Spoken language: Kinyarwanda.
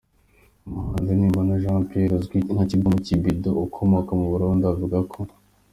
Umuhanzi Nimbona Jean Pierre, uzwi nka Kidumu Kibido ukomoka mu Burundi, avuga ko.